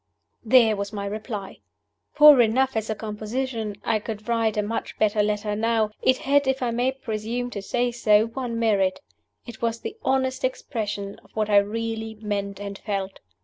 There was my reply! Poor enough as a composition (I could write a much better letter now), it had, if I may presume to say so, one merit. It was the honest expression of what I really meant and felt.